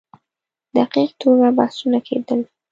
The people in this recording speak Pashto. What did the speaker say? دقیق توګه بحثونه کېدل.